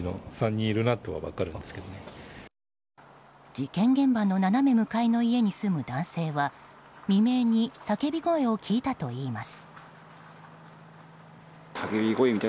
事件現場の斜め向かいの家に住む男性は未明に叫び声を聞いたといいます。